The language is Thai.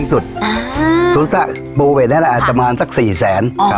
สุศะปูเวทนั้นแหละอาจจะมาสัก๔๐๐๐๐๐บาท